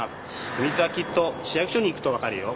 ひみつはきっと市役所に行くとわかるよ！